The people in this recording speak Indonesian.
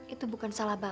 itu bukan salah bapak